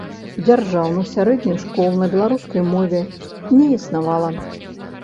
Дзяржаўных сярэдніх школ на беларускай мове не існавала.